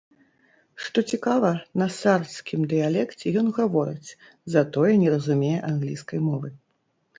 Што цікава, на сардскім дыялекце ён гаворыць, затое не разумее англійскай мовы.